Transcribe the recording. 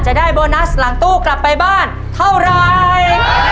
จะได้โบนัสหลังตู้กลับไปบ้านเท่าไร